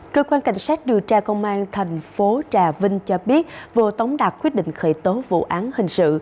cơ quan cảnh sát điều tra công an thành phố trà vinh cho biết vừa tống đạt quyết định khởi tố vụ án hình sự